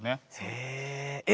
へえ。